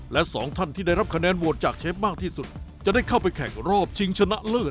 และสองท่านที่ได้รับคะแนนโหวตจากเชฟมากที่สุดจะได้เข้าไปแข่งรอบชิงชนะเลิศ